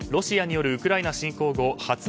ロシアによるウクライナ侵攻後